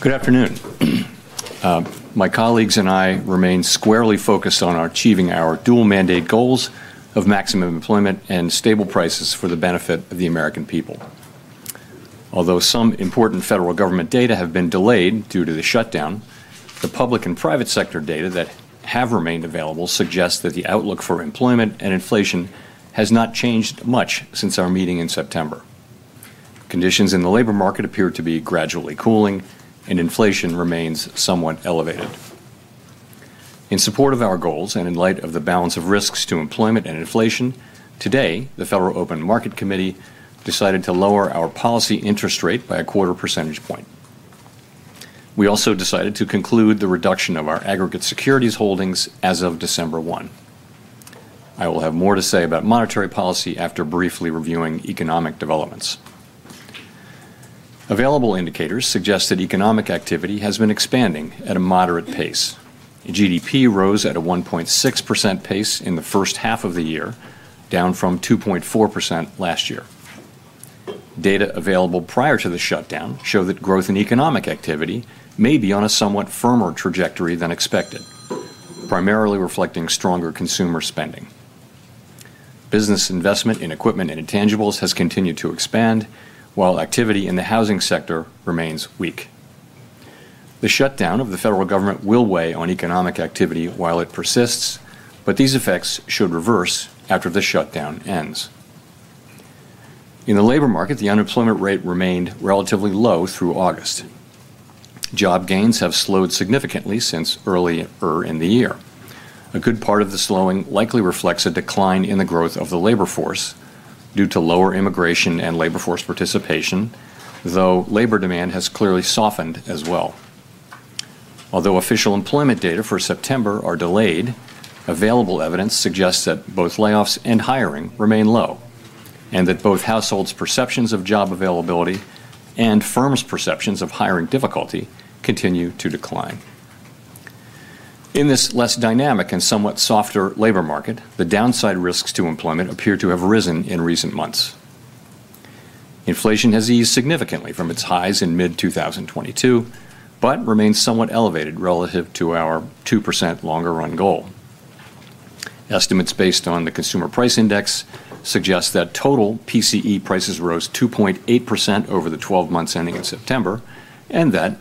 Good afternoon. My colleagues and I remain squarely focused on achieving our dual mandate goals of maximum employment and stable prices for the benefit of the American people. Although some important federal government data have been delayed due to the shutdown, the public and private sector data that have remained available suggest that the outlook for employment and inflation has not changed much since our meeting in September. Conditions in the labor market appear to be gradually cooling, and inflation remains somewhat elevated. In support of our goals and in light of the balance of risks to employment and inflation today, the Federal Open Market Committee decided to lower our policy interest rate by a quarter percentage point. We also decided to conclude the reduction of our aggregate securities holdings as of December 1. I will have more to say about monetary policy after briefly reviewing economic developments. Available indicators suggest that economic activity has been expanding at a moderate pace. GDP rose at a 1.6% pace in the first half of the year, down from 2.4% last year. Data available prior to the shutdown show that growth in economic activity may be on a somewhat firmer trajectory than expected, primarily reflecting stronger consumer spending. Business investment in equipment and intangibles has continued to expand, while activity in the housing sector remains weak. The shutdown of the federal government will weigh on economic activity while it persists, but these effects should reverse after the shutdown ends. In the labor market, the unemployment rate remained relatively low through August. Job gains have slowed significantly since earlier in the year. A good part of the slowing likely reflects a decline in the growth of the labor force due to lower immigration and labor force participation, though labor demand has clearly softened as well. Although official employment data for September are delayed, available evidence suggests that both layoffs and hiring remain low and that both households' perceptions of job availability and firms' perceptions of hiring difficulty continue to decline. In this less dynamic and somewhat softer labor market, the downside risks to employment appear to have risen in recent months. Inflation has eased significantly from its highs in mid 2022, but remains somewhat elevated relative to our 2% longer run goal. Estimates based on the Consumer Price Index suggest that total PCE prices rose 2.8% over the 12 months ending in September and that,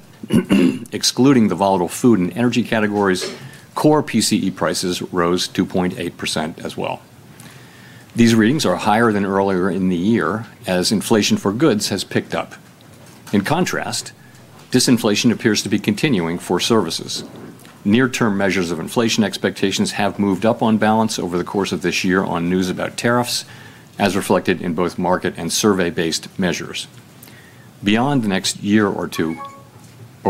excluding the volatile food and energy categories, core PCE prices rose 2.8% as well. These readings are higher than earlier in the year as inflation for goods has picked up. In contrast, disinflation appears to be continuing for services. Near-term measures of inflation expectations have moved up on balance over the course of this year on news about tariffs, as reflected in both market and survey-based measures. Beyond the next year or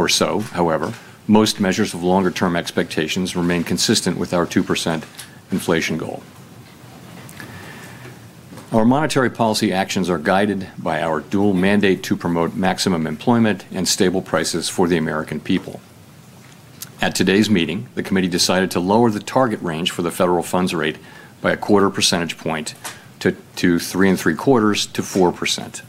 so, however, most measures of longer-term expectations remain consistent with our 2% inflation goal. Our monetary policy actions are guided by our dual mandate to promote maximum employment and stable prices for the American people. At today's meeting, the Committee decided to lower the target range for the federal funds rate by a quarter percentage point to 3.75%-4%.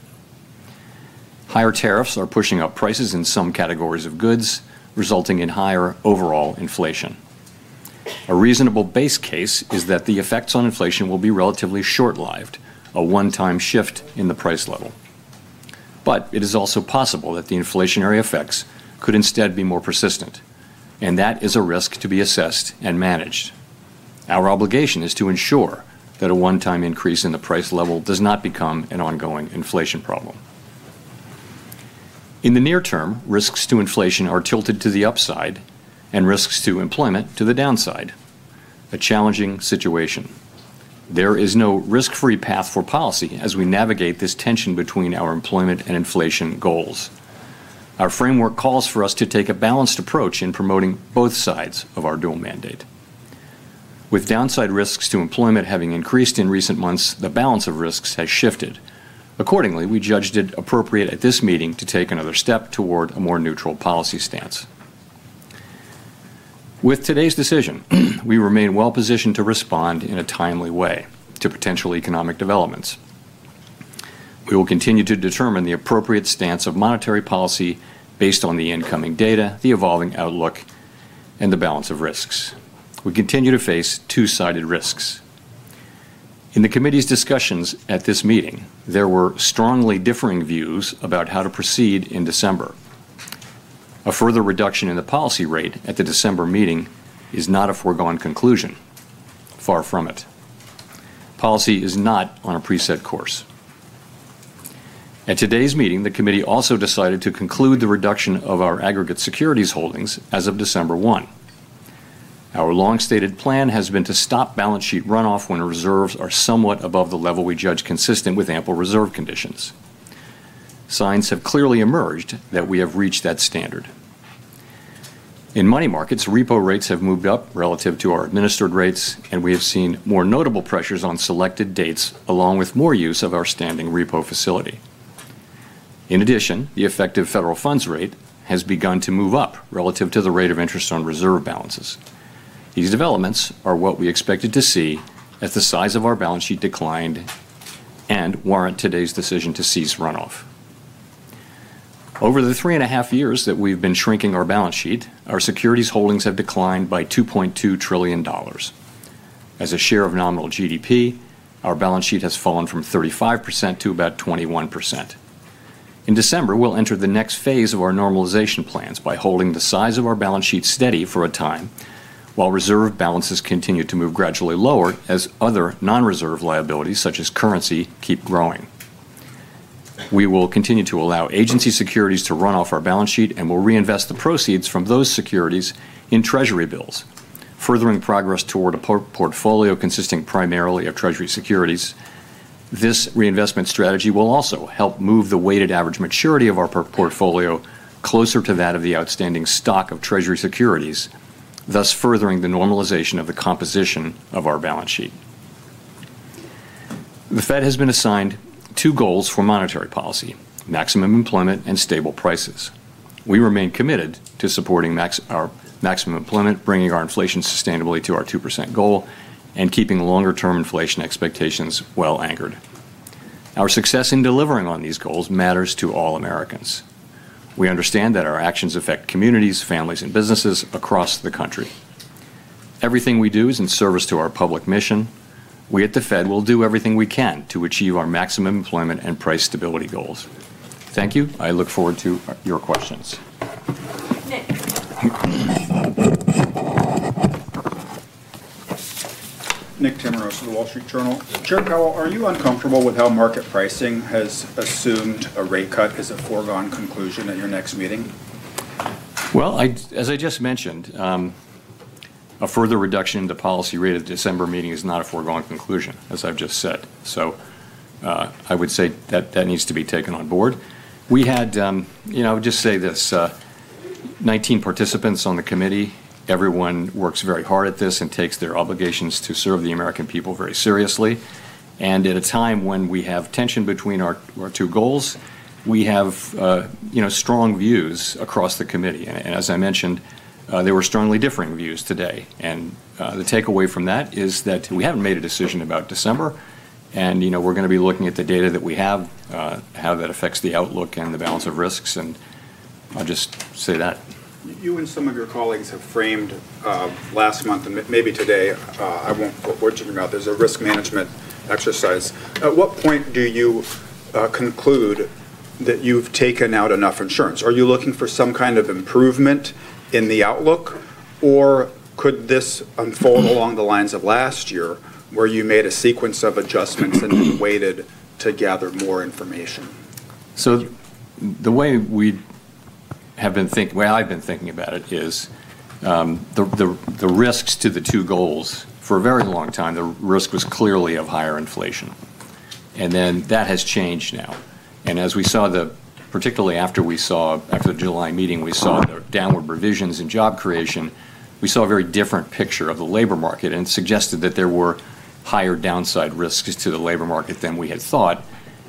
Higher tariffs are pushing up prices in some categories of goods, resulting in higher overall inflation. A reasonable base case is that the effects on inflation will be relatively short-lived, a one-time shift in the price level. It is also possible that the inflationary effects could instead be more persistent, and that is a risk to be assessed and managed. Our obligation is to ensure that a one-time increase in the price level does not become an ongoing inflation problem. In the near term, risks to inflation are tilted to the upside and risks to employment to the downside. A challenging situation. There is no risk-free path for policy as we navigate this tension between our employment and inflation goals. Our framework calls for us to take a balanced approach in promoting both sides of our dual mandate. With downside risks to employment having increased in recent months, the balance of risks has shifted accordingly. We judged it appropriate at this meeting to take another step toward a more neutral policy stance. With today's decision, we remain well positioned to respond in a timely way to potential economic developments. We will continue to determine the appropriate stance of monetary policy based on the incoming data, the evolving outlook, and the balance of risks. We continue to face two-sided risks. In the Committee's discussions at this meeting, there were strongly differing views about how to proceed in December. A further reduction in the policy rate at the December meeting is not a foregone conclusion. Far from it. Policy is not on a preset course. At today's meeting, the Committee also decided to conclude the reduction of our aggregate securities holdings as of December 1. Our long-stated plan has been to stop balance sheet runoff when reserves are somewhat above the level we judge consistent with ample reserve conditions. Signs have clearly emerged that we have reached that standard in money markets. Repo rates have moved up relative to our administered rates, and we have seen more notable pressures on selected dates along with more use of our standing repo facility. In addition, the effective federal funds rate has begun to move up relative to the rate of interest on reserve balances. These developments are what we expected to see as the size of our balance sheet declined and warrant today's decision to cease runoff. Over the three and a half years that we've been shrinking our balance sheet, our securities holdings have declined by $2.2 trillion as a share of nominal GDP. Our balance sheet has fallen from 35% to about 21% in December. We'll enter the next phase of our normalization plans by holding the size of our balance sheet steady for a time while reserve balances continue to move gradually lower as other non-reserve liabilities such as currency keep growing. We will continue to allow agency securities to run off our balance sheet and will reinvest the proceeds from those securities in treasury bills, furthering progress toward a portfolio consisting primarily of treasury securities. This reinvestment strategy will also help move the weighted average maturity of our portfolio closer to that of the outstanding stock of treasury securities, thus furthering the normalization of the composition of our balance sheet. The Fed has been assigned two goals for monetary policy, maximum employment and stable prices. We remain committed to supporting our maximum employment, bringing our inflation sustainably to our 2% goal, and keeping longer-term inflation expectations well anchored. Our success in delivering on these goals matters to all Americans. We understand that our actions affect communities, families, and businesses across the country. Everything we do is in service to our public mission. We at the Fed will do everything we can to achieve our maximum employment and price stability goals. Thank you. I look forward to your questions. Nick. Nick Timiraos of the Wall Street Journal. Are you uncomfortable with how market pricing has assumed a rate cut is a foregone conclusion at your next meeting? As I just mentioned, a further reduction in the policy rate at the December meeting is not a foregone conclusion, as I've just said. I would say that needs to be taken on board. We had 19 participants on the committee, everyone works very hard at this and takes their obligations to serve the American people very seriously. At a time when we have tension between our two goals, we have strong views across the committee. As I mentioned, there were strongly differing views today. The takeaway from that is that we haven't made a decision about December. We're going to be looking at the data that we have, how that affects the outlook and the balance of risks. I'll just say that. You and some of your colleagues have framed last month and maybe today, I won't put words in your mouth, as a risk management exercise. At what point do you conclude that you've taken out enough insurance? Are you looking for some kind of improvement in the outlook? Could this unfold along the lines of last year where you made a sequence of adjustments and waited to gather more information? Chair Powell, the way we have been thinking, I've been thinking about it, is the risks to the two goals. For a very long time the risk was clearly of higher inflation. That has changed now. As we saw, particularly after the July meeting, we saw the downward revisions in job creation, we saw a very different picture of the labor market and suggested that there were higher downside risks to the labor market than we had thought.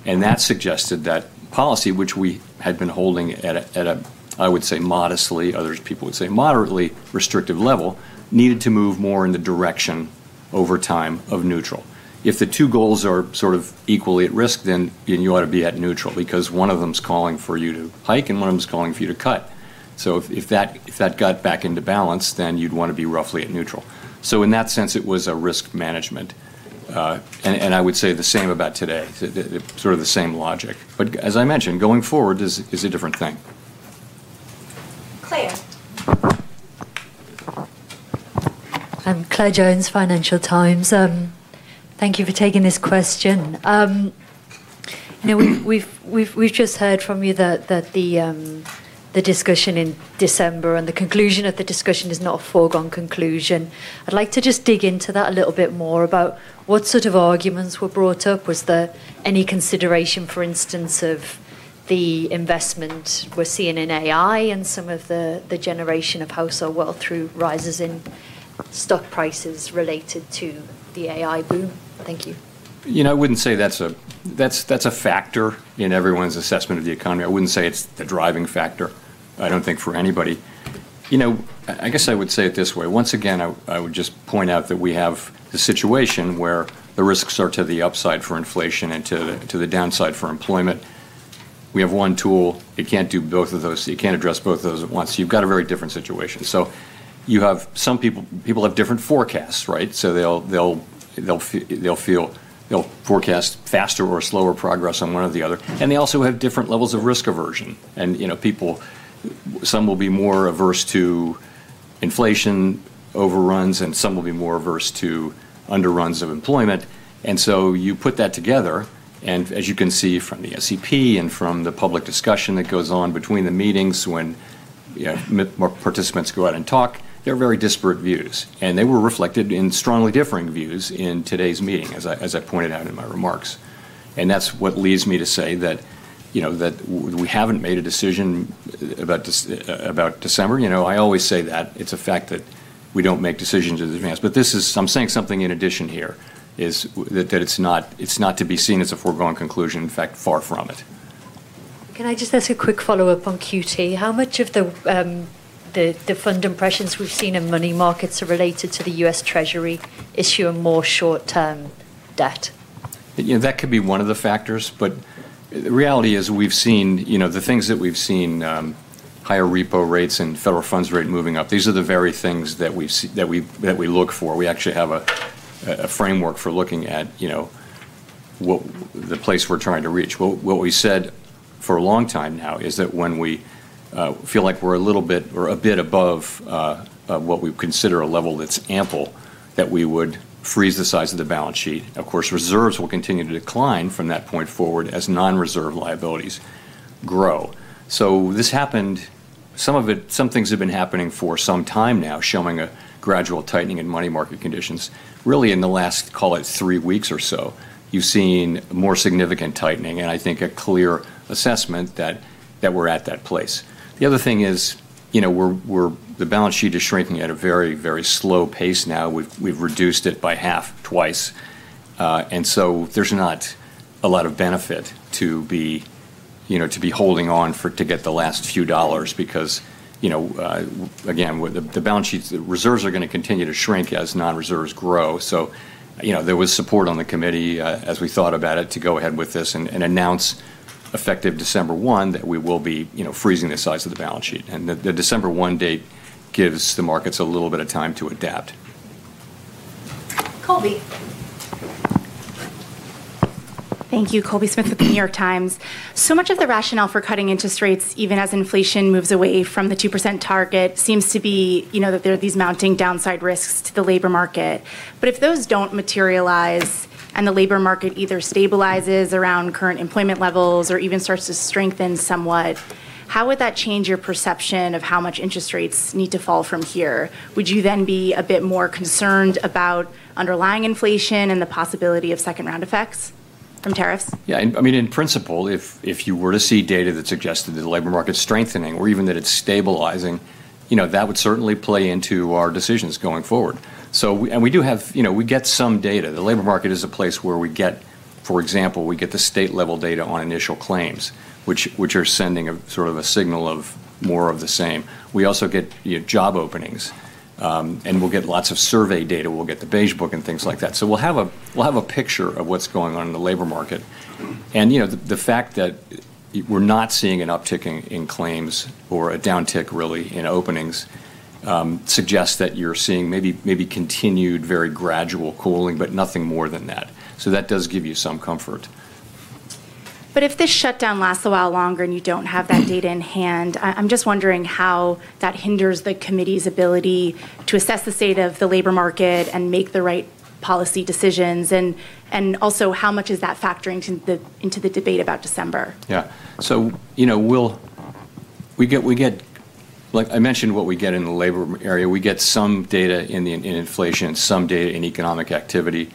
That suggested that policy, which we had been holding at a, I would say modestly, other people would say moderately restrictive level, needed to move more in the direction over time of neutral. If the two goals are sort of equally at risk, then you ought to be at neutral because one of them is calling for you to hike and one of them is calling for you to cut. If that got back into balance, then you'd want to be roughly at neutral. In that sense it was a risk management. I would say the same about today, sort of the same logic, but as I mentioned, going forward is a different thing. Claire? I'm Claire Jones, Financial Times. Thank you for taking this question. We've just heard from you that the discussion in December and the conclusion of the discussion is not a foregone conclusion. I'd like to just dig into that a little bit more about what sort of arguments were brought up. Was there any consideration, for instance, of the investment we're seeing in AI and some of the generation of household wealth through rises in stock prices related to the boom? Thank you. You know, I wouldn't say that's a factor in everyone's assessment of the economy. I wouldn't say it's the driving factor. I don't think for anybody. I guess I would say it this way once again. I would just point out that we have a situation where the risks are to the upside for inflation and to the downside for employment. We have one tool, it can't do both of those. You can't address both those at once. You've got a very different situation. You have some people, people have different forecasts, right? They'll forecast faster or slower progress on one or the other. They also have different levels of risk aversion. Some will be more averse to inflation overruns and some will be more averse to underruns of employment. You put that together and as you can see from the SEP and from the public discussion that goes on between the meetings when participants go out and talk, there are very disparate views and they were reflected in strongly differing views in today's meeting as I pointed out in my remarks. That's what leads me to say that we haven't made a decision about December. I always say that it's a fact that we don't make decisions in advance. This is, I'm saying something in addition here, that it's not to be seen as a foregone conclusion. In fact, finally, far from it. Can I just ask a quick follow up on Q2, how much of the fund impressions we've seen in money markets are related to the U.S. Treasury issue, a more short term debt? That could be one of the factors. The reality is we've seen the things that we've seen, higher repo rates and federal funds rate moving up. These are the very things that we look for. We actually have a framework for looking at the place we're trying to reach. What we said for a long time now is that when we feel like we're a little bit or a bit above what we consider a level that's ample, that we would freeze the size of the balance sheet. Of course, reserves will continue to decline from that point forward as non reserve liabilities grow. This happened, some things have been happening for some time now showing a gradual tightening in money market conditions. Really, in the last, call it three weeks or so, you've seen more significant tightening and I think a clear assessment that we're at that place. The other thing is, the balance sheet is shrinking at a very, very slow pace now. We've reduced it by half, twice. There's not a lot of benefit to be holding on for to get the last few dollars because, again, the balance sheet's reserves are going to continue to shrink as non reserves grow. There was support on the committee as we thought about it to go ahead with this and announce effective December 1 that we will be freezing the size of the balance sheet. The December 1 date gives the markets a little bit of time to adapt. Colby, Thank you. Colby Smith with The New York Times. So much of the rationale for cutting interest rates even as inflation moves away from the 2% target seems to be that there are these mounting downside risks to the labor market. If those don't materialize and the labor market either stabilizes around current employment levels or even starts to strengthen somewhat, how would that change your perception of how much interest rates need to fall from here? Would you then be a bit more concerned about underlying inflation and the possibility of second round effects from tariffs? Yeah, I mean, in principle, if you were to see data that suggested the labor market strengthening or even that it's stabilizing, that would certainly play into our decisions going forward. We do have, we get some data. The labor market is a place where we get, for example, we get the state level data on initial claims which are sending a sort of a signal of more of the same. We also get job openings and we'll get lots of survey data. We'll get the Beige Book and things like that. We'll have a picture of what's going on in the labor market. The fact that we're not seeing an uptick in claims or a downtick really in openings suggests that you're seeing maybe continued very gradual cooling, but nothing more than that. That does give you some comfort. If this shutdown lasts a while longer and you don't have that data in hand, I'm just wondering how that hinders the committee's ability to assess the state of the labor market and make the right policy decisions. Also, how much is that factoring into the debate about December? Will we get, like I mentioned, what we get in the labor area? We get some data in the inflation, some data in economic activity,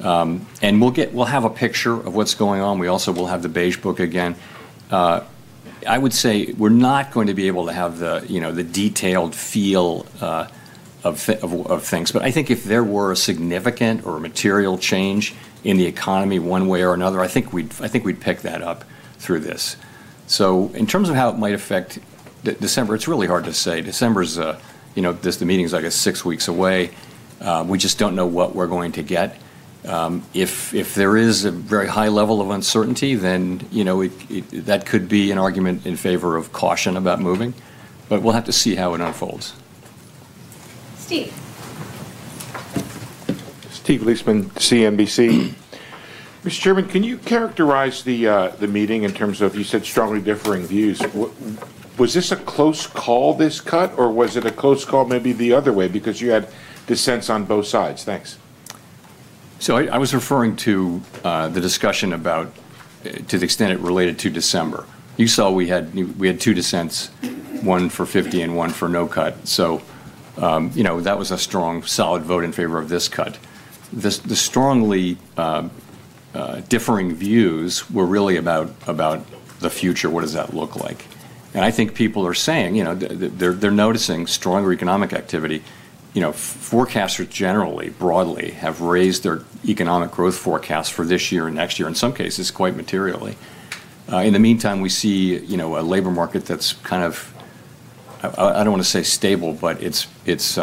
and we'll have a picture of what's going on. We also will have the Beige Book. I would say we're not going to be able to have the detailed feel of things, but I think if there were a significant or material change in the economy one way or another, I think we'd pick that up through this. In terms of how it might affect December, it's really hard to say. December is, I guess, six weeks away. We just don't know what we're going to get. If there is a very high level of uncertainty, that could be an argument in favor of caution about moving, but we'll have to see how it unfolds. Steve. Steve Liesman, CNBC. Mr. Chairman, can you characterize the meeting in terms of, you said strongly differing views? Was this a close call this cut or was it a close call maybe the other way, because you had dissents on both sides? I was referring to the discussion about, to the extent it related to December. You saw we had two dissents, one for 50 and one for no cut. That was a strong solid vote in favor of this cut. The strongly differing views were really about the future. What does that look like? I think people are saying they're noticing stronger economic activity. Forecasters generally, broadly have raised their economic growth forecast for this year and next year in some cases quite materially. In the meantime, we see a labor market that's kind of, I don't want to say stable, but it's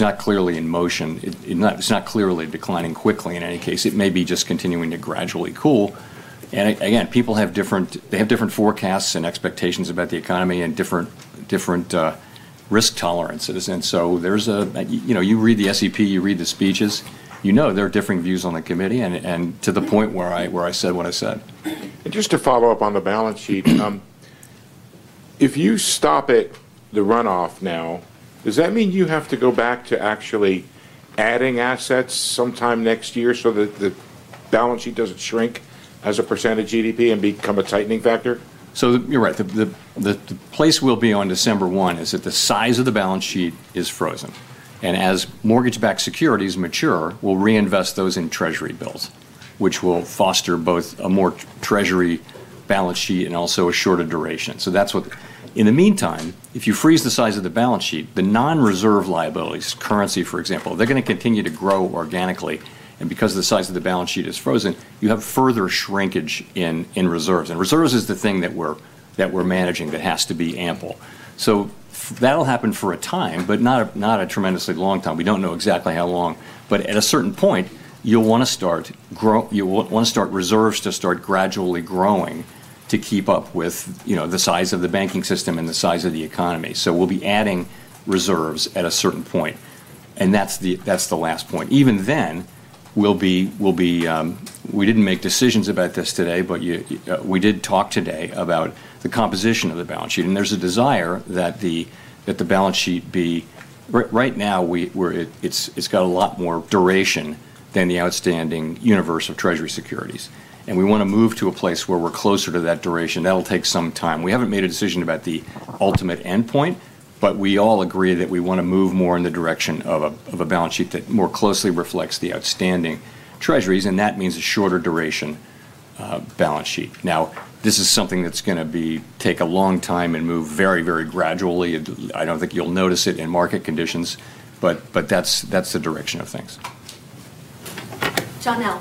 not clearly in motion, it's not clearly declining quickly. In any case, it may be just continuing to gradually cool. People have different forecasts and expectations about the economy and different risk tolerances. You read the SEP, you read the speeches, there are differing views on the committee. To the point where I said what I said, just to follow up on the balance sheet, if you stop at the runoff now, does that mean you have to go back to actually adding assets sometime next year so that the balance sheet does not shrink as a percent of GDP and become a tightening factor? You are right, the place we will be on December 1 is that the size of the balance sheet is frozen and as mortgage-backed securities mature, we will reinvest those in Treasury bills, which will foster both a more Treasury balance sheet and also a shorter duration. In the meantime, if you freeze the size of the balance sheet, the non-reserve liabilities, currency for example, are going to continue to grow organically. Because the size of the balance sheet is frozen, you have further shrinkage in reserves. Reserves are the thing that we are managing that has to be ample. That will happen for a time, but not a tremendously long time. We do not know exactly how long, but at a certain point you will want reserves to start gradually growing to keep up with the size of the banking system and the size of the economy. We will be adding reserves at a certain point and that is the last point. Even then, we did not make decisions about this today, but we did talk today about the composition of the balance sheet and there is a desire that the balance sheet be, right now, it has got a lot more duration than the outstanding universe of Treasury securities and we want to move to a place where we are closer to that duration. That will take some time. We have not made a decision about the ultimate endpoint, but we all agree that we want to move more in the direction of a balance sheet that more closely reflects the outstanding Treasuries and that means a shorter duration balance sheet. This is something that is going to take a long time and move very, very gradually. I do not think you will notice it in market conditions, but that is the direction of things. Jonelle.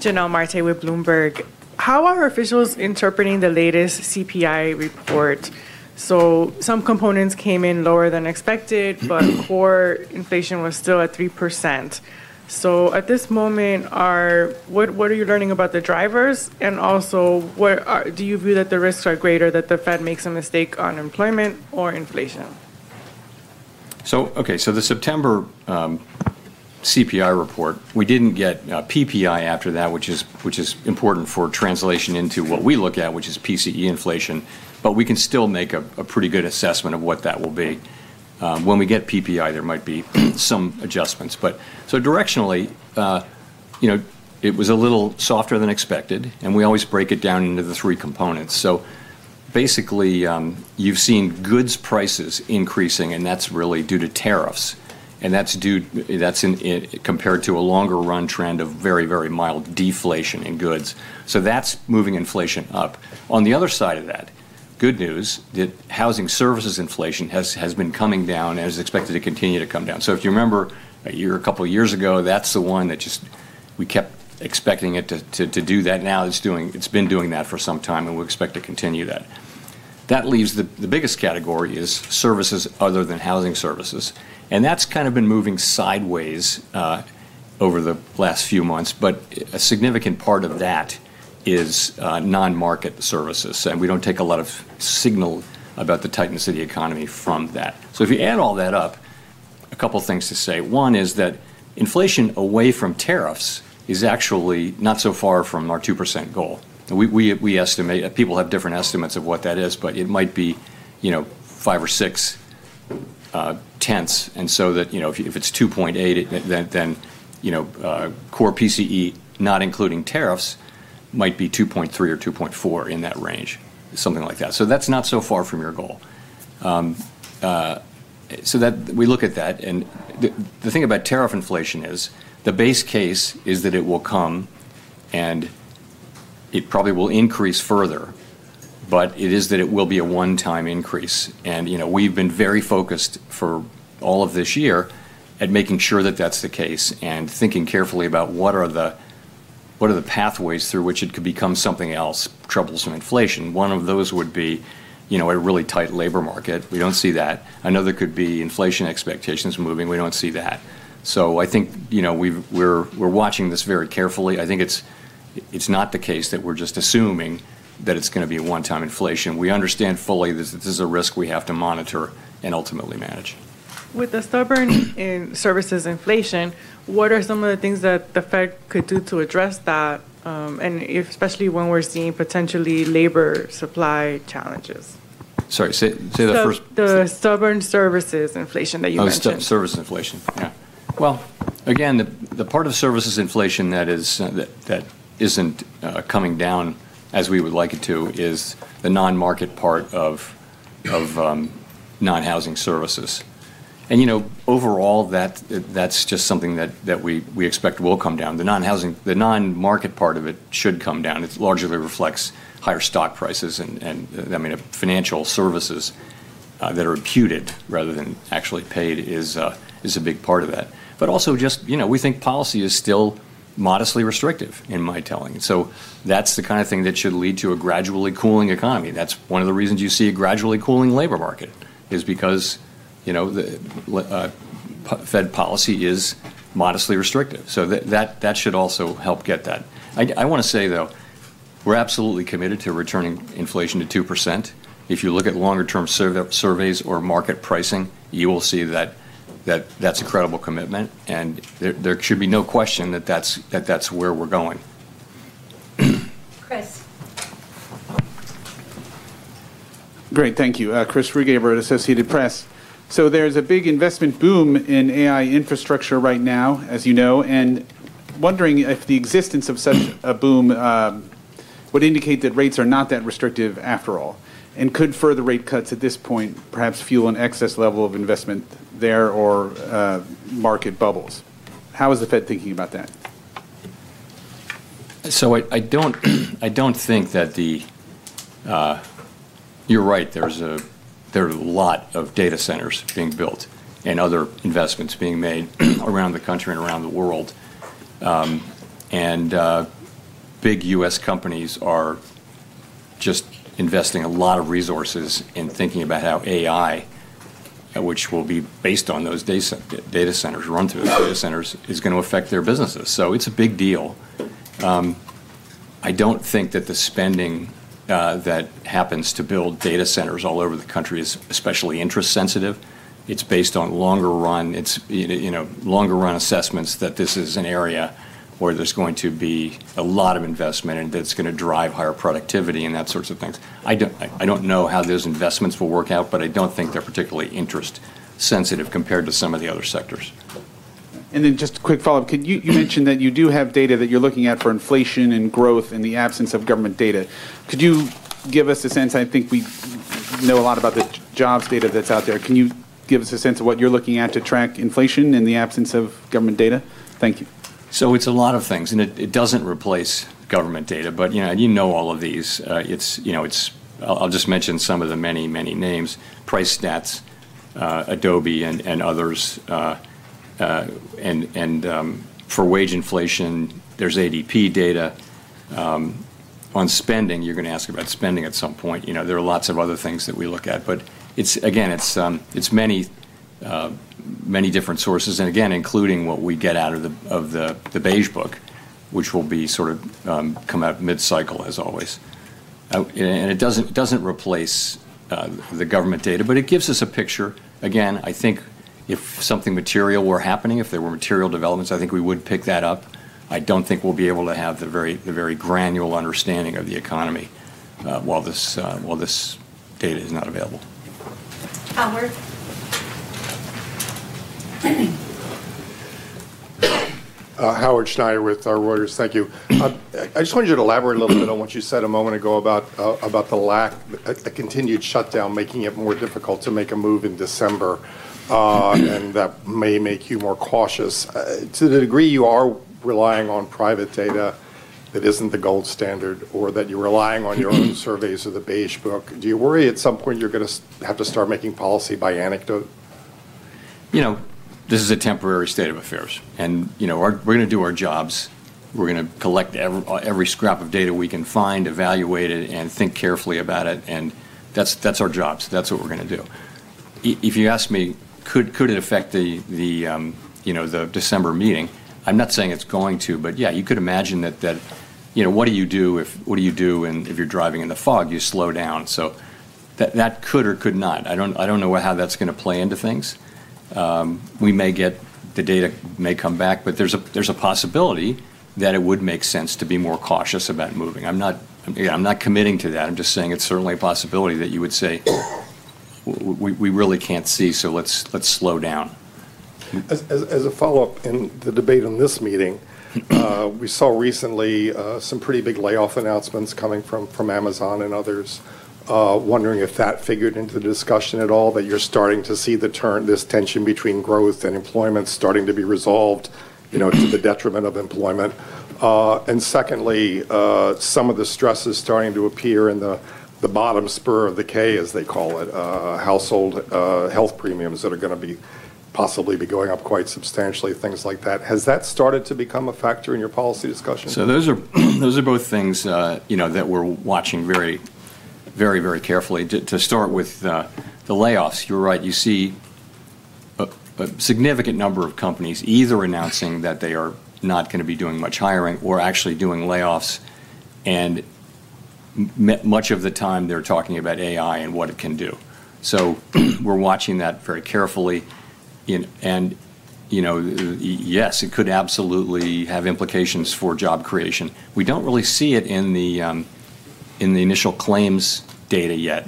Jonelle Marte with Bloomberg, how are officials interpreting the latest CPI report? Some components came in lower than expected, but core inflation was still at 3%. At this moment, what are you learning about the drivers, and also, do you view that the risks are greater that the Fed makes a mistake on employment or inflation? The September CPI report, we didn't get PPI after that, which is important for translation into what we look at, which is PCE inflation. We can still make a pretty good assessment of what that will be when we get PPI. There might be some adjustments. Directionally, it was a little softer than expected, and we always break it down into the three components. Basically, you've seen goods prices increasing, and that's really due to tariffs. That's compared to a longer run trend of very, very mild deflation in goods, so that's moving inflation up. On the other side of that, good news that housing services inflation has been coming down and is expected to continue to come down. If you remember a couple of years ago, that's the one that we kept expecting it to do that. Now it's doing, it's been doing that for some time, and we expect to continue that. That leaves the biggest category, which is services other than housing services, and that's kind of been moving sideways over the last few months. A significant part of that is non-market services, and we don't take a lot of signal about the tightness of the economy from that. If you add all that up, a couple of things to say. One is that inflation away from tariffs is actually not so far from our 2% goal. We estimate, people have different estimates of what that is, but it might be five or six tenths, and so if it's 2.8, then core PCE, not including tariffs, might be 2.3-2.4 in that range, something like that. That's not so far from your goal. We look at that. The thing about tariff inflation is the base case is that it will come, and it probably will increase further, but it is that it will be a one-time increase. We've been very focused for all of this year at making sure that that's the case and thinking carefully about what are the pathways through which it could become something else, troublesome inflation. One of those would be a really tight labor market. We don't see that. Another could be inflation expectations moving. We don't see that. I think we're watching this very carefully. I think it's not the case that we're just assuming that it's going to be a one-time inflation. We understand fully that this is a risk we have to monitor and ultimately manage. With the stubborn services inflation, what are some of the things that the Fed could do to address that? Especially when we're seeing potentially labor supply challenges. The stubborn services inflation that you mentioned, services inflation. The part of services inflation that isn't coming down as we would like it to is the non-market part of non-housing services. Overall, that's just something that we expect will come down. The non-housing, the non-market part of it should come down. It largely reflects higher stock prices, and financial services that are imputed rather than actually paid is a big part of that. We think policy is still modestly restrictive in my telling. That's the kind of thing that should lead to a gradually cooling economy. That's one of the reasons you see a gradually cooling labor market, because the Fed policy is modestly restrictive. That should also help get that. I want to say we're absolutely committed to returning inflation to 2%. If you look at longer-term surveys or market pricing, you will see that that's incredible commitment and there should be no question that that's where we're going, Chris. Great, thank you. Chris Rugaber at Associated Press. There's a big investment boom in infrastructure right now, as you know, and wondering if the existence of such a boom would indicate that rates are not that restrictive after all. Could further rate cuts at this point perhaps fuel an excess level of investment there or market bubbles? How is the Fed thinking about that? Chair Powell, I don't think that you're right. There are a lot of data centers being built and other investments being made around the country and around the world. Big U.S. companies are just investing a lot of resources in thinking about how AI, which will be based on those data centers, run through those data centers, is going to affect their businesses. It's a big deal. I don't think that the spending that happens to build data centers all over the country is especially interest sensitive. It's based on longer run, you know, longer run assessments that this is an area where there's going to be a lot of investment and that's going to drive higher productivity and that sorts of things. I don't know how those investments will work out, but I don't think they're particularly interest sensitive compared to some of the other sectors. Just a quick follow up. Could you mention that you do have data that you're looking at for inflation and growth in the absence of government data? Could you give us a sense, I think we know a lot about the jobs data that's out there. Can you give us a sense of what you're looking at to track inflation in the absence of government data? Thank you, Chair Powell. It's a lot of things and it doesn't replace government data. All of these, you know, it's, I'll just mention some of the many, many names, PriceStats, Adobe and others. For wage inflation, there's ADP data on spending. You're going to ask about spending at some point. There are lots of other things that we look at but it's again, many, many different sources and again, including what we get out of the Beige Book, which will sort of come out mid cycle as always and it doesn't replace the government data, but it gives us a picture. I think if something material were happening, if there were material developments, I think we would pick that up. I don't think we'll be able to have the very granular understanding of the economy while this data is not available. Howard Schneider with Reuters. Thank you. I just want you to elaborate a little bit on what you said a moment ago about the lack of a continued shutdown making it more difficult to make a move in December. That may make you more cautious. To the degree you are relying on private data that isn't the gold standard or that you're relying on your own surveys of the Beige Book, do you worry at some point you're going to have to start making policy by anecdote? This is a temporary state of affairs and we're going to do our jobs. We're going to collect all, every scrap of data we can find, evaluate it, and think carefully about it. That's our jobs. That's what we're going to do. If you ask me, could it affect the December meeting? I'm not saying it's going to, but yeah, you could imagine that, you know, what do you do if, what do you do? If you're driving in the fog, you slow down. That could or could not. I don't know how that's going to play into things. We may get the data, may come back, but there's a possibility that it would make sense to be more cautious about moving. I'm not committing to that. I'm just saying it's certainly a possibility that you would say we really can't see, so let's slow down. As a follow up, in the debate in this meeting, we saw recently some pretty big layoff announcements coming from Amazon and others. Wondering if that figured into the discussion at all, that you're starting to see the turn, this tension between growth and employment starting to be resolved, you know, to the detriment of employment. Secondly, some of the stresses starting to appear in the bottom spur of the K, as they call it, household health premiums that are going to be, possibly be going up quite substantially. Things like that. Has that started to become a factor in your policy discussion? Those are both things that we're watching very, very carefully. To start with the layoffs, you're right. You see a significant number of companies either announcing that they are not going to be doing much hiring or actually doing layoffs. Much of the time they're talking about AI and what it can do. We're watching that very carefully. Yes, it could absolutely have implications for job creation. We don't really see it in the initial claims data yet.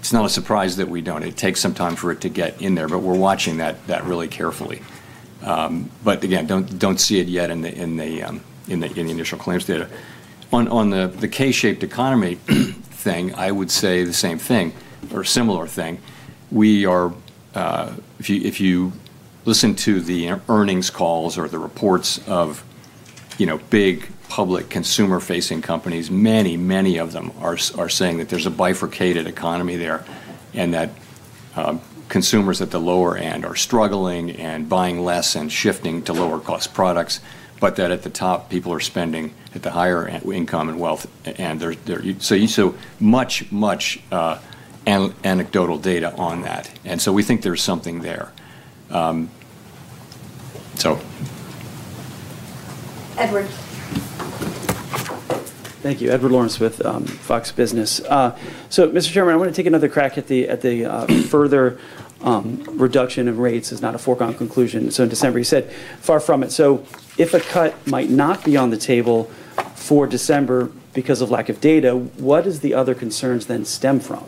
It's not a surprise that we don't. It takes some time for it to get in there. We're watching that really carefully. Again, don't see it yet in the initial claims data. On the K-shaped economy thing, I would say the same thing or similar thing. If you look, listen to the earnings calls or the reports of big public consumer-facing companies, many of them are saying that there's a bifurcated economy there and that consumers at the lower end are struggling and buying less and shifting to lower cost products, but that at the top people are spending at the higher income and wealth. Much anecdotal data on that, and we think there's something there. Edward, thank you. Edward Lawrence with Fox Business. So, Mr. Chairman, I want to take another crack at the further reduction of rates is not a foregone conclusion. In December you said far from it. If a cut might not be on the table for December because of lack of data, what does the other concerns then stem from?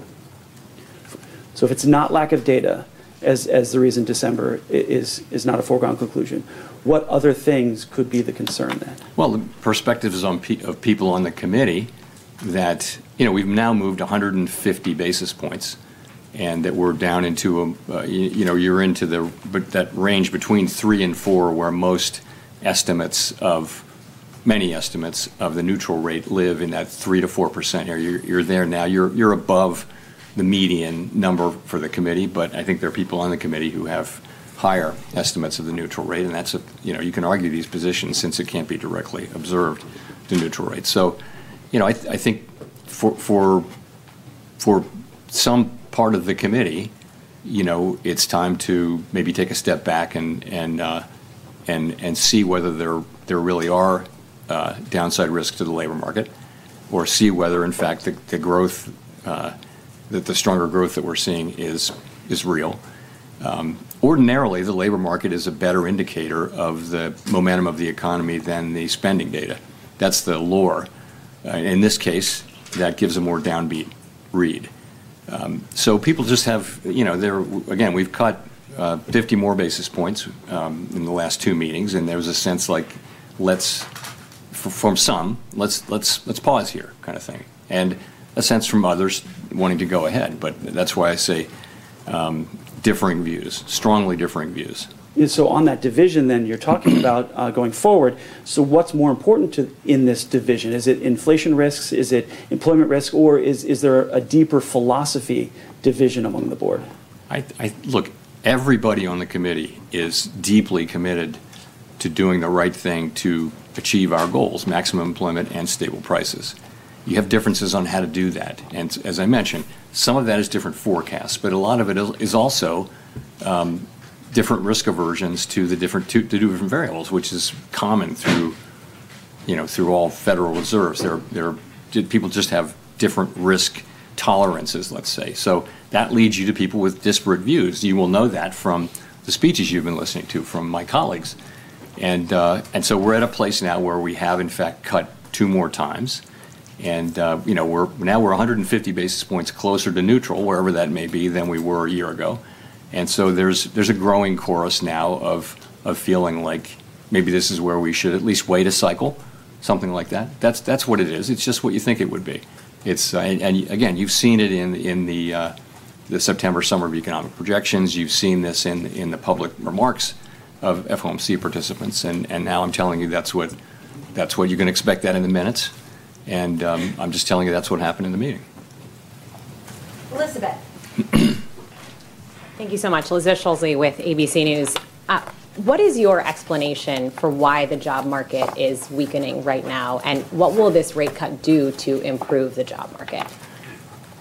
If it's not lack of data as the reason December is not a foregone conclusion, what other things could be the concern then? The perspective is of people on the committee that, you know, we've now moved 150 basis points and that we're down into, you know, you're into that range between 3%-4% where most estimates of many estimates of the neutral rate live in that 3%-4%. Here you're there now you're above the median number for the committee. I think there are people on the committee who have higher estimates of the neutral rate. That's a, you know, you can argue these positions since it can't be directly observed to neutral rates. I think for some part of the committee, it's time to maybe take a step back and see whether there really are downside risks to the labor market or see whether in fact the growth that the stronger growth that we're seeing is real. Ordinarily, the labor market is a better indicator of the momentum of the economy than the spending data. That's the lore in this case that gives a more downbeat read. People just have, you know, there again we've cut 50 more basis points in the last two meetings. There was a sense like let's, from some, let's pause here kind of thing and a sense from others wanting to go ahead. That's why I say differing views, strongly differing views. On that division, then, you're talking about going forward. What's more important in this division? Is it inflation risks? Is it employment risk? Or is there a deeper philosophy division among the board? Look, everybody on the committee is deeply committed to doing the right thing to achieve our goals, maximum employment and stable prices. You have differences on how to do that. As I mentioned, some of that is different forecasts, but a lot of it is also different risk aversions to the different variables, which is common through all Federal Reserves there. People just have different risk tolerances, let's say. That leads you to people with disparate views. You will know that from the speeches you've been listening to from my colleagues. We're at a place now where we have, in fact, cut two more times. We're now 150 basis points closer to neutral, wherever that may be, than we were a year ago. There's a growing chorus of us now feeling like maybe this is where we should at least wait a cycle, something like that. That's what it is. It's just what you think it would be. You've seen it in the September Summary of Economic Projections. You've seen this in the public remarks of Federal Open Market Committee participants. I'm telling you that's what you can expect in the minutes. I'm just telling you that's what happened in the meeting. Elizabeth, thank you so much. Elizabeth Schulze with ABC News. What is your explanation for why the job market is weakening right now and what will this rate cut do to improve the job market?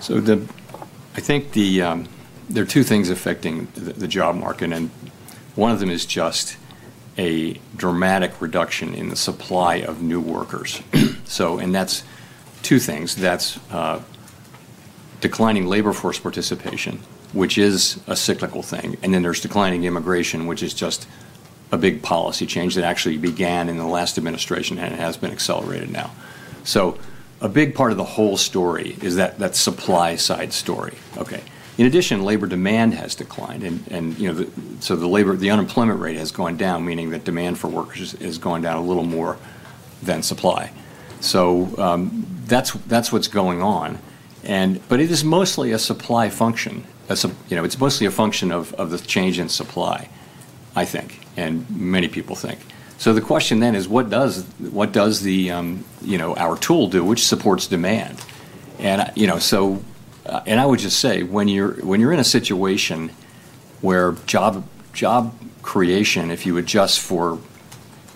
I think there are two things affecting the job market, and one of them is just a dramatic reduction in the supply of new workers. That's two things. That's declining labor force participation, which is a cyclical thing, and then there's declining immigration, which is just a big policy change that actually began in the last administration and has been accelerated now. A big part of the whole story is that supply side story. In addition, labor demand has declined. The unemployment rate has gone down, meaning that demand for workers has gone down a little more than supply. That's what's going on. It is mostly a supply function. It's mostly a function of the change in supply, I think, and many people think. The question then is what does our tool do, which supports demand. I would just say when you're in a situation where job creation, if you adjust for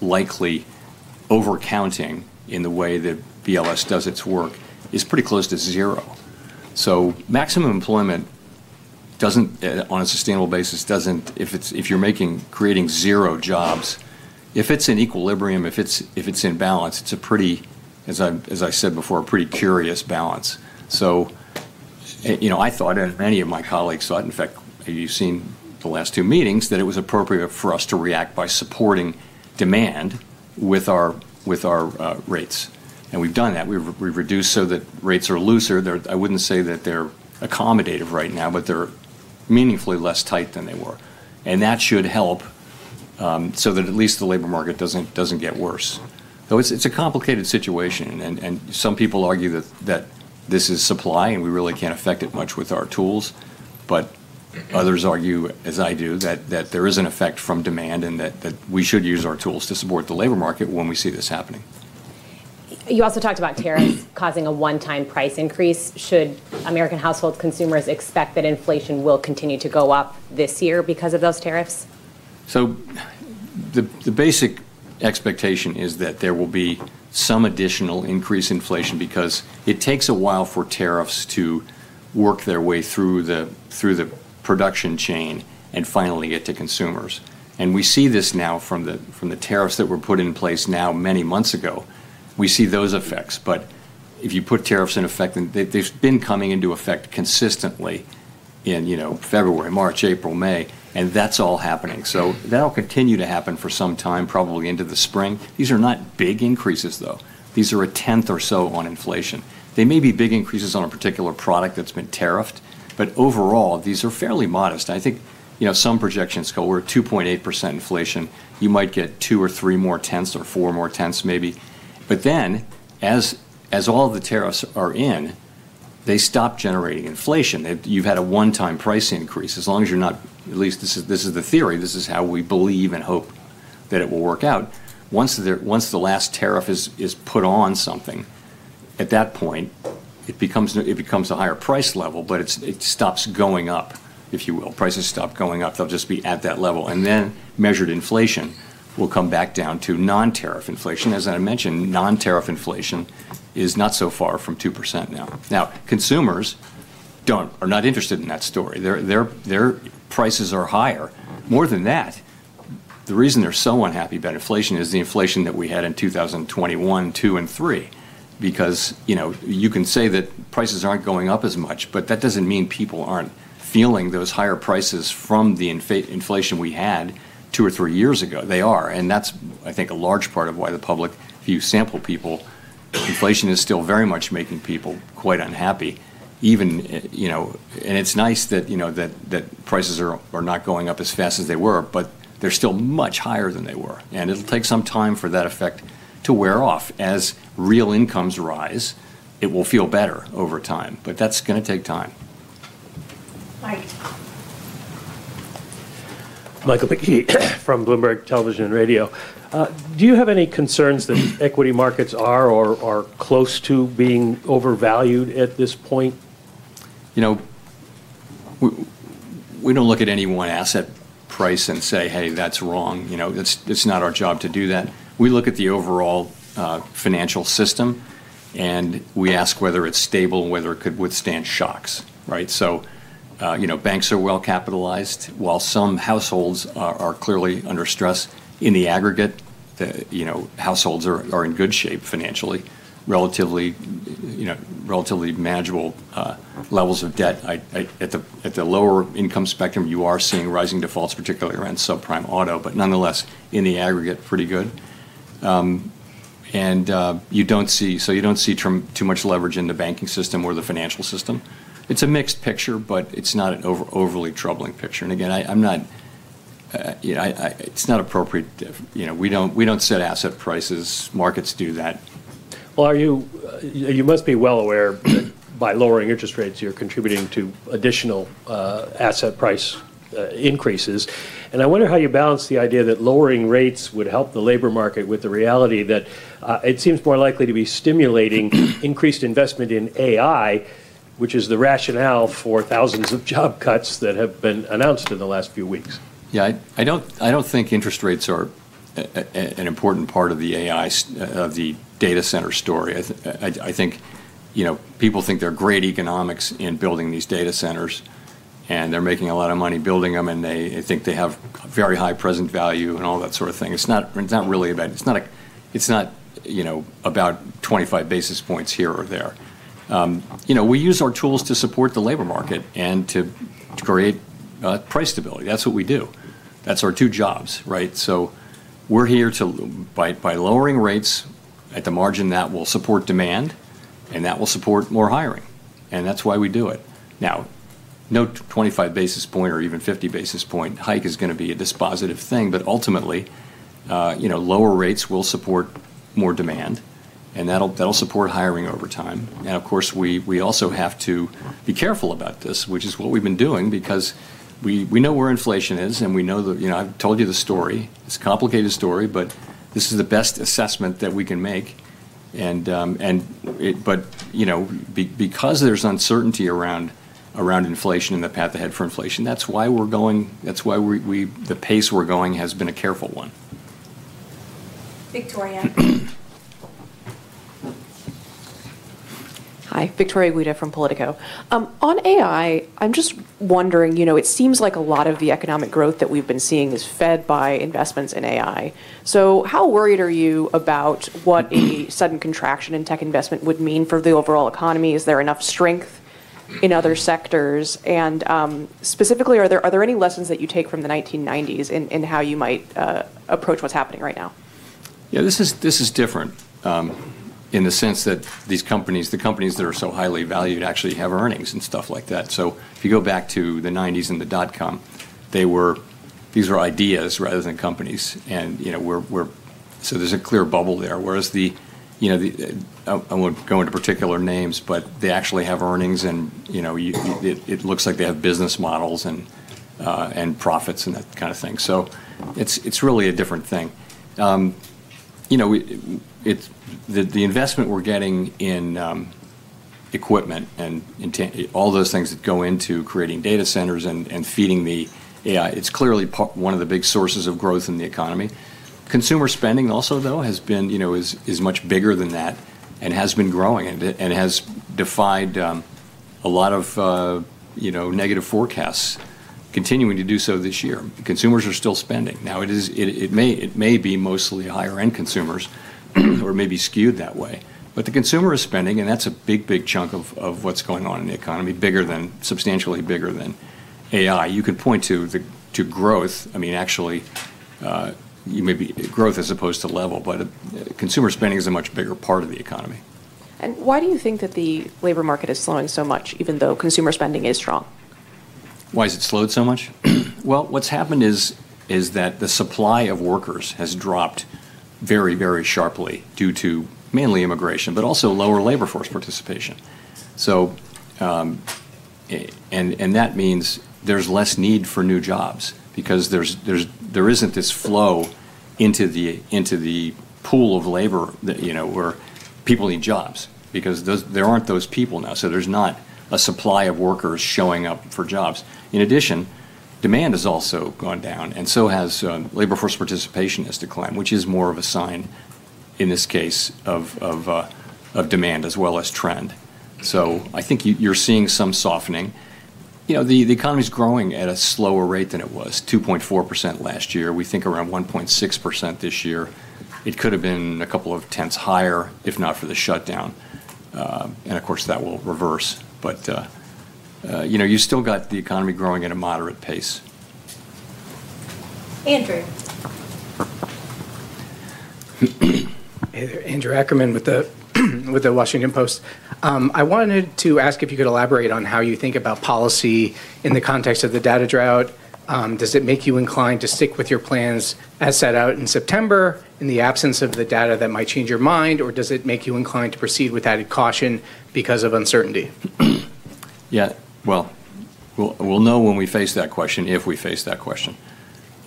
likely overcounting in the way that BLS does its work, is pretty close to zero. Maximum employment, on a sustainable basis, doesn't—if you're creating zero jobs, if it's in equilibrium, if it's in balance, it's a pretty, as I said before, a pretty curious balance. I thought, and many of my colleagues thought, in fact you've seen the last two meetings, that it was appropriate for us to react by supporting demand with our rates. We've done that. We've reduced so that rates are looser. I wouldn't say that they're accommodative right now, but they're meaningfully less tight than they were. That should help so that at least the labor market doesn't get worse. Though it's a complicated situation and some people argue that this is supply and we really can't affect it much with our tools. Others argue, as I do, that there is an effect from demand and that we should use our tools to support the labor market when we see this happening. You also talked about tariffs causing a one-time price increase. Should American households, consumers expect that inflation will continue to go up this year because of those tariffs? The basic expectation is that there will be some additional increase in inflation because it takes a while for tariffs to work their way through the production chain and finally get to consumers. We see this now from the tariffs that were put in place many months ago. We see those effects. If you put tariffs in effect, they've been coming into effect consistently in February, March, April, May, and that's all happening. That will continue to happen for some time, probably into the spring. These are not big increases though. These are a tenth or so on inflation. They may be big increases on a particular product that's been tariffed, but overall these are fairly modest, I think. Some projections go, we're at 2.8% inflation. You might get 2 or 3 more, 10 or 4 more, 10 maybe. As all the tariffs are in, they stop generating inflation. You've had a one-time price increase. As long as you're not at least, this is the theory, this is how we believe and hope that it will work out. Once the last tariff is put on something, at that point it becomes a higher price level. It stops going up, if you will. Prices stop going up, they'll just be at that level and then measured inflation will come back down to non-tariff inflation. As I mentioned, non-tariff inflation is not so far from 2% now. Consumers are not interested in that story. Their prices are higher. More than that, the reason they're so unhappy about inflation is the inflation that we had in 2021, 2022, and 2023, because you can say that prices aren't going up as much, but that doesn't mean people aren't feeling those higher prices from the inflation we had two or three years ago. They are, and that's, I think, a large part of why the public view sample people inflation is still very much making people quite unhappy, even, you know, and it's nice that, you know, that prices are not going up as fast as they were, but they're still much higher than they were, and it'll take some time for that effect to wear off as real incomes rise. It will feel better over time, but that's going to take time. Mike Michael McKee from Bloomberg Television and Radio, do you have any concerns that equity markets are or are close to being overvalued at this point? You know, we don't look at any one asset price and say, hey, that's wrong. It's not our job to do that. We look at the overall financial system, and we ask whether it's stable, whether it could withstand shocks. Right. Banks are well capitalized, while some households are clearly under stress. In the aggregate, households are in good shape financially, relatively, you know, relatively manageable levels of debt. At the lower income spectrum, you are seeing rising defaults, particularly around subprime auto, but nonetheless, in the aggregate, pretty good. You don't see too much leverage in the banking system or the financial system. It's a mixed picture, but it's not an overly troubling picture. Again, it's not appropriate. We don't set asset prices. Markets do that. Chair Powell, are you, you must be well aware that by lowering interest rates you're contributing to additional asset price increases. I wonder how you balance the idea that lowering rates would help the labor market with the reality that it seems more likely to be stimulating increased investment in AI, which is the rationale for thousands of job cuts that have been announced in the last few weeks. Yeah, I don't, I don't think interest rates are an important part of the data center story. I think, you know, people think there are great economics in building these data centers, and they're making a lot of money building them, and they think they have very high present value and all that sort of thing. It's not really about, it's not, you know, about 25 basis points here or there. We use our tools to support the labor market and to create price stability. That's what we do. That's our two jobs, right? We're here to, by lowering rates at the margin, support demand and that will support more hiring, and that's why we do it. No 25 basis point or even 50 basis point hike is going to be a dispositive thing. Ultimately, lower rates will support more demand and that will support hiring over time. Of course, we also have to be careful about this, which is what we've been doing, because we know where inflation is and we know that, you know, I've told you the story, it's a complicated story, but this is the best assessment that we can make. Because there's uncertainty around inflation and the path ahead for inflation, that's why the pace we're going has been a careful one. Victoria. Hi, Victoria Guida from Politico. On AI, I'm just wondering, it seems like a lot of the economic growth that we've been seeing is fed by investments in AI. How worried are you about what a sudden contraction in tech investment would mean for the overall economy? Is there enough strength in other sectors? Specifically, are there any lessons that you take from the 1990s in how you might approach what's happening right now? Chair Powell: This is different in the sense that these companies, the companies that are so highly valued, actually have earnings and stuff like that. If you go back to the 1990s and the dot com, these are ideas rather than companies and, you know, we're, we're. There's a clear bubble there. Whereas, I won't go into particular names, but they actually have earnings and it looks like they have business models and profits and that kind of thing. It's really a different thing. The investment we're getting in equipment and all those things that go into creating data centers and feeding the, it's clearly one of the big sources of growth in the economy. Consumer spending also, though, has been, you know, is much bigger than that and has been growing and has defied a lot of negative forecasts, continuing to do so this year. Consumers are still spending. It may be mostly higher end consumers or maybe skewed that way, but the consumer is spending and that's a big, big chunk of what's going on in the economy, bigger than, substantially bigger than AI. You can point to the growth. I mean, actually you may be growth as opposed to level, but consumer spending is a much bigger part of the economy. Why do you think that the labor market is slowing so much even though consumer spending is strong? Why has it slowed so much? What's happened is that the supply of workers has dropped very, very sharply due to mainly immigration, but also lower labor force participation. That means there's less need for new jobs because there isn't this flow into the pool of labor, you know, where people need jobs because there aren't those people now. There's nothing, a supply of workers showing up for jobs. In addition, demand has also gone down and so has labor force participation, which is more of a sign in this case of demand as well as trend. I think you're seeing some softening. The economy is growing at a slower rate than it was, 2.4% last year. We think around 1.6% this year. It could have been a couple of tenths higher if not for the shutdown. Of course, that will reverse. You still have the economy growing at a moderate pace. Andrew. Hey there. Andrew Ackerman with The Washington Post. I wanted to ask if you could elaborate on how you think about policy in the context of the data drought. Does it make you inclined to stick with your plans as set out in September in the absence of the data that might change your mind, or does it make you inclined to proceed with added caution because of uncertainty? Yeah, we'll know when we face that question. If we face that question,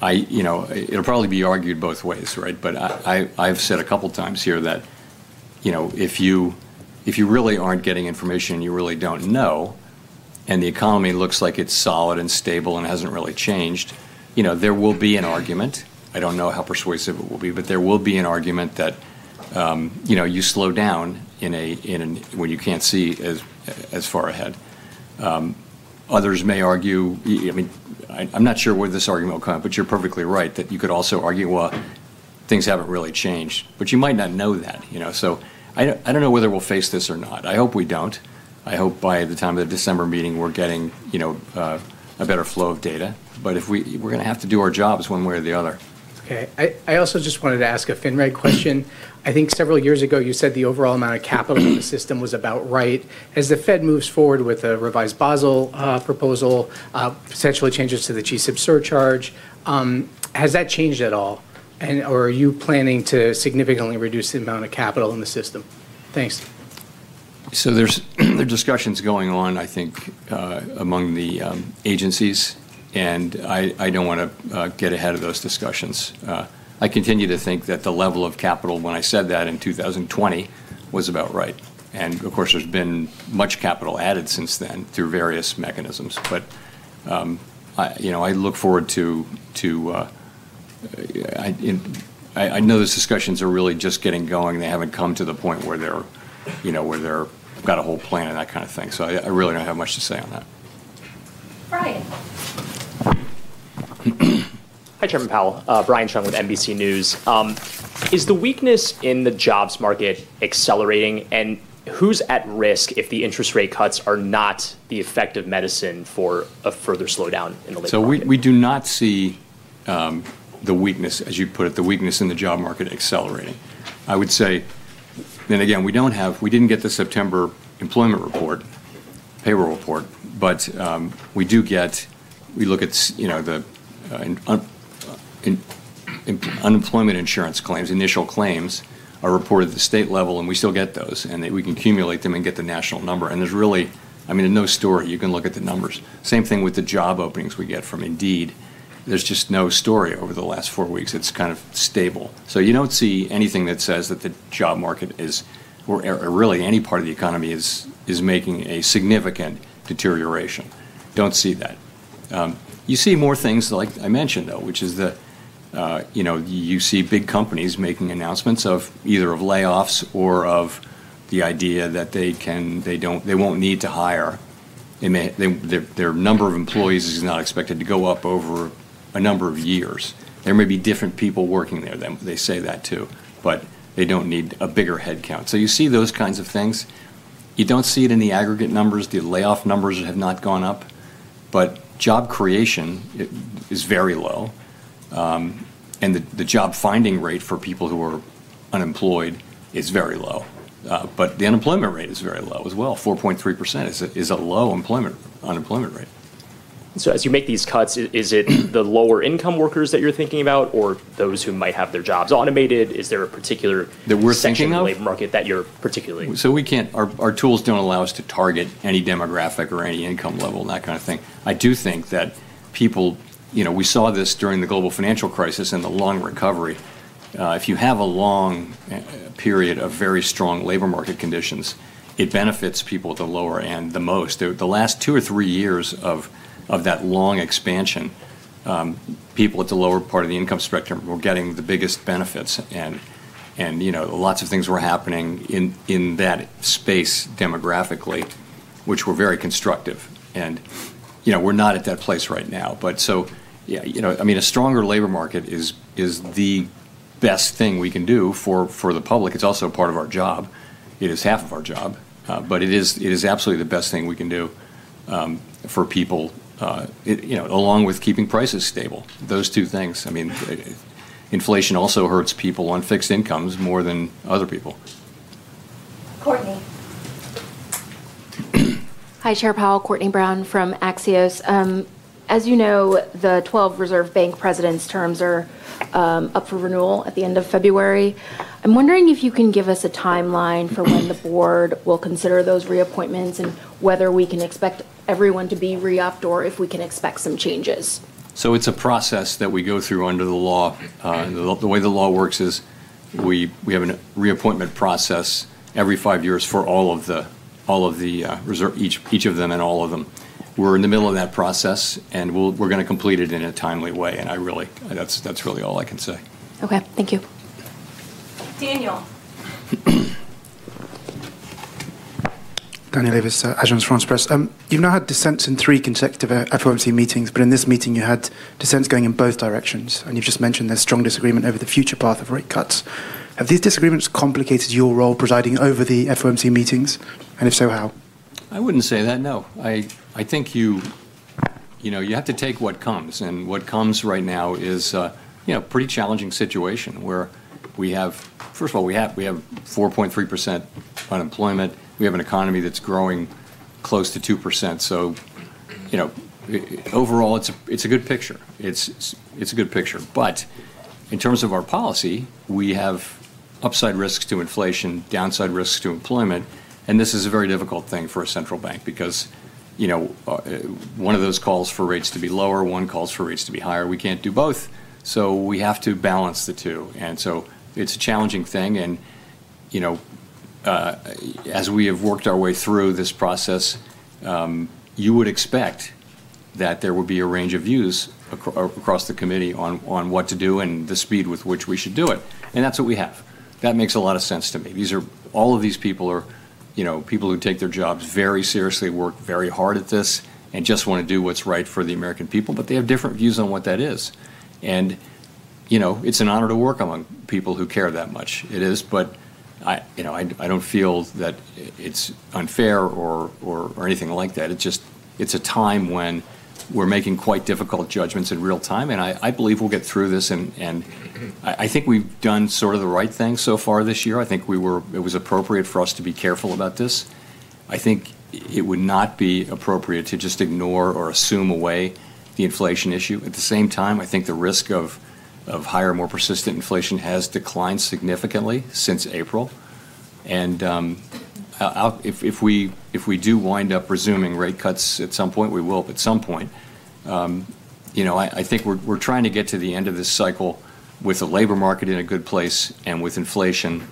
it'll probably be argued both ways, right. I've said a couple times here that if you really aren't getting information, you really don't know, and the economy looks like it's solid and stable and hasn't really changed, there will be an argument, I don't know how persuasive it will be, but there will be an argument that you slow down when you can't see as far ahead. Others may argue, I'm not sure where this argument will come, but you're perfectly right that you could also argue things haven't really changed, but you might not know that, you know. I don't know whether we'll face this or not. I hope we don't. I hope by the time of December meeting reading, we're getting a better flow of data. If we are, we're going to have to do our jobs one way or the other. Okay. I also just wanted to ask a FINRA question. I think several years ago you said the overall amount of capital system was about right. As the Fed moves forward with a revised Basel proposal, potentially changes to the GSIP surcharge, has that changed at all and are you planning to significantly reduce the amount of capital in the system? Thanks. There are discussions going on, I think, among the agencies and I don't want to get ahead of those discussions. I continue to think that the level of capital when I said that in 2020 was about right and of course there's been much capital added since then through various mechanisms. I look forward to, I know those discussions are really just getting going. They haven't come to the point where they've got a whole plan and that kind of thing. I really don't have much to say on that. Brian Hi, Chairman Powell, Brian Cheung with NBC News. Is the weakness in the jobs market accelerating and who's at risk if the interest rate cuts are not the effect of medicine for a further slowdown? We do not see the weakness, as you put it, the weakness in the job market accelerating. I would say then again, we don't have, we didn't get the September employment report, payroll report, but we do get, we look at, you know, the unemployment insurance claims, initial claims are reported at the state level and we still get those and we can accumulate them and get the national number and there's really, I mean, no story. You can look at the numbers. Same thing with the job openings we get from Indeed. There's just no story over the last four weeks. It's kind of stable. You don't see anything that says that the job market is, or really any part of the economy is, is making a significant deterioration. Don't see that. You see more things, like I mentioned though, which is that, you know, you see big companies making announcements of either of layoffs or of the idea that they can, they don't, they won't need to hire, their number of employees is not expected to go up over a number of years. There may be different people working there. They say that too, but they don't need a bigger headcount. You see those kinds of things. You don't see it in the aggregate numbers. The layoff numbers have not gone up. Job creation is very low and the job finding rate for people who are unemployed is very low. The unemployment rate is very low as well. 4.3% is a low unemployment rate. As you make these cuts, is it the lower income workers that you're thinking about or those who might have their jobs automated? Is there a particular labor market that you're particularly focused on? Our tools don't allow us to target any demographic or any income level and that kind of thing. I do think that people, you know, we saw this during the global financial crisis and the long recovery. If you have a long period of very strong labor market conditions, it benefits people at the lower end the most. The last two or three years of that long expansion, people at the lower part of the income spectrum were getting the biggest benefits and, you know, lots of things were happening in that space demographically which were very constructive. We're not at that place right now. A stronger labor market is the best thing we can do for the public. It's also part of our job. It is half of our job. It is absolutely the best thing we can do for people. Along with keeping prices stable, those two things, I mean, inflation also hurts people on fixed incomes more than other people. Courtenay. Hi, Chair Powell, Courtenay Brown from Axios. As you know, the 12 Reserve Bank presidents' terms are up for renewal at the end of February. I'm wondering if you can give us a timeline for when the board will consider those reappointments and whether we can expect everyone to be re-upped or if we can expect some changes. It's a process that we go through under the law. The way the law works is we have a reappointment process every five years for all of the Reserve, each of them and all of them. We're in the middle of that process and we're going to complete it in a timely way. That's really all I can say. Thank you, Daniel. Daniel Avis, Agence France Press. You've now had dissents in three consecutive FOMC meetings. In this meeting you had dissents going in both directions. You've just mentioned there's strong disagreement over the future path of rate cuts. Have these disagreements complicated your role presiding over the FOMC meetings and if so, how? I wouldn't say that. I think you have to take what comes. What comes right now is a pretty challenging situation where we have, first of all, 4.3% unemployment. We have an economy that's growing close to 2%. Overall, it's a good picture. It's a good picture. In terms of our policy, we have upside risks to inflation, downside risks to employment. This is a very difficult thing for a central bank because one of those calls for rates to be lower, one calls for rates to be higher. We can't do both. We have to balance the two. It's a challenging thing. As we have worked our way through this process, you would expect that there would be a range of views across the committee on what to do and the speed with which we should do it. That's what we have. That makes a lot of sense to me. All of these people are people who take their jobs very seriously, work very hard at this, and just want to do what's right for the American people, but they have different views on what that is. It's an honor to work among them, people who care that much. It is. I don't feel that it's unfair or anything like that. It's just a time when we're making quite difficult judgments in real time. I believe we'll get through this. I think we've done sort of the right thing so far this year. I think it was appropriate for us to be careful about this. I think it would not be appropriate to just ignore or assume away the inflation issue. At the same time, I think the risk of higher, more persistent inflation has declined significantly since April. If we do wind up resuming rate cuts at some point, we will at some point. I think we're trying to get to the end of this cycle with the labor market in a good place and with inflation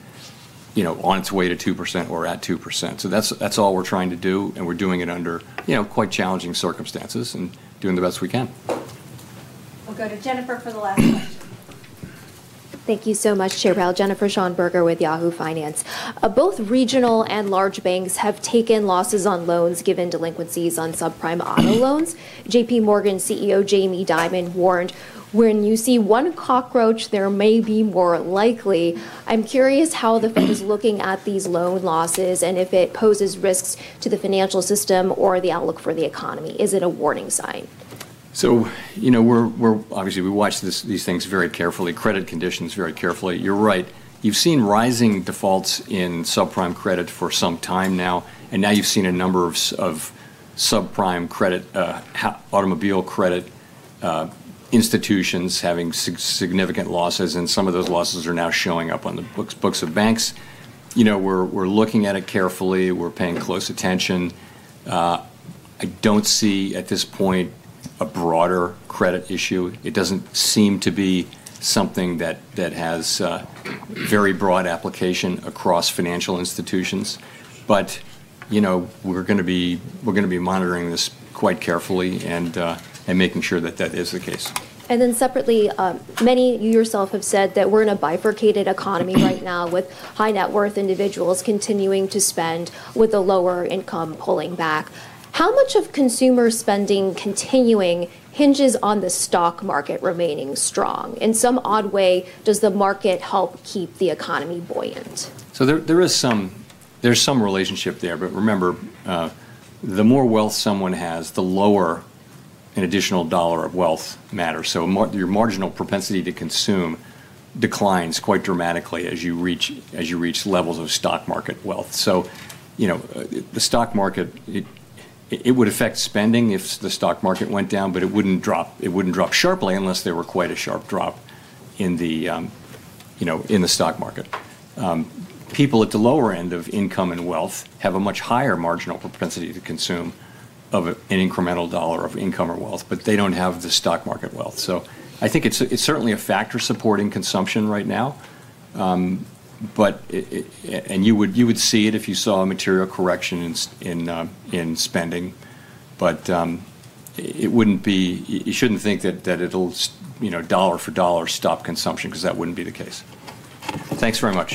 on its way to 2% or at 2%. That's all we're trying to do, and we're doing it under quite challenging circumstances and doing the best we can. We'll go to Jennifer for the last. Thank you so much. Chair Powell, Jennifer Schonberger with Yahoo Finance. Both regional and large banks have taken losses on loans given delinquencies on subprime auto loans. JPMorgan CEO Jamie Dimon warned when you see one cockroach, there may be more likely. I'm curious how the Fed is looking at the loan losses and if it poses risks to the financial system or the outlook for the economy, is it a warning sign? We're obviously, we watch these things very carefully, credit conditions very carefully. You're right. You've seen rising defaults in subprime credit for some time now, and now you've seen a number of subprime credit automobile credit institutions having significant losses. Some of those losses are now showing up on the books of banks. We're looking at it carefully. We're paying close attention. I don't see at this point a broader credit issue. It doesn't seem to be something that has very broad application across financial institutions. We're going to be monitoring this quite carefully and making sure that is the case. Separately, you yourself have said that we're in a bifurcated economy right now, with high net worth individuals continuing to spend, with lower income pulling back. How much of consumer spending continuing hinges on the stock market remaining strong? In some odd way, does the market help keep the economy buoyant? There is some relationship there. Remember, the more wealth someone has, the lower an additional dollar of wealth matters. Your marginal propensity to consume declines quite dramatically as you reach levels of stock market wealth. The stock market would affect spending if the stock market went down, but it wouldn't drop sharply unless there were quite a sharp drop in the stock market. People at the lower end of income and wealth have a much higher marginal propensity to consume an incremental dollar of income or wealth, but they don't have the stock market wealth. I think it's certainly a factor supporting consumption right now, and you would see it if you saw a material correction in spending, but you shouldn't think that it will, dollar for dollar, stop consumption because that wouldn't be the case. Thanks very much.